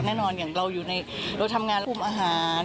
แน่นอนอย่างเราอยู่ในเราทำงานอุ้มอาหาร